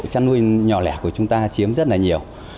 chăn nuôi nhỏ lẻ của chúng ta chiếm rất là nhiều